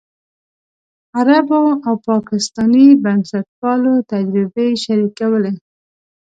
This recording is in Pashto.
عربو او پاکستاني بنسټپالو تجربې شریکولې.